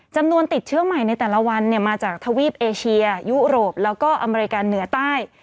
จำนวนติดเชื้อใหม่ในแต่ละวันมาจากทวีปเอเชียยุโรปแล้วก็อเมริกาเหนือใต้